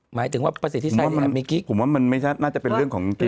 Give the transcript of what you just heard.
หมายถึงว่าประสิทธิ์ที่ใช้มันมีกิ๊กผมว่ามันน่าจะเป็นเรื่องของ